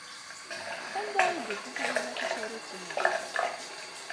Anda ay d-tufa Taninna tasarut-nni?